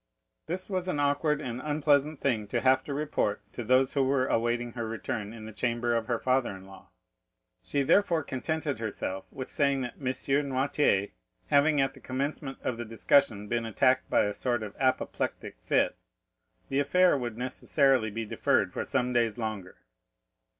This was an awkward and unpleasant thing to have to report to those who were waiting. She therefore contented herself with saying that M. Noirtier having at the commencement of the discussion been attacked by a sort of apoplectic fit, the affair would necessarily be deferred for some days longer.